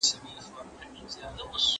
اپيجي چي سپيني نه وي توري هم غواړي.